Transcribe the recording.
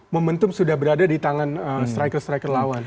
momentum sudah berada di tangan striker striker lawan